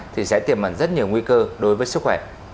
thì sẽ tiềm ẩn rất nhiều nguy cơ đối với sức khỏe